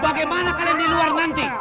bagaimana kalian di luar nanti